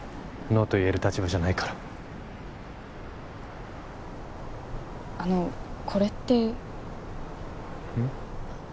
ノーと言える立場じゃないからあのこれってうん？